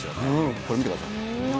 これ、見てください。